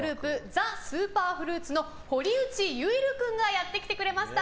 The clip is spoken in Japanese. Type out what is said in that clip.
ＴＨＥＳＵＰＥＲＦＲＵＩＴ堀内結流君がやってきてくれました。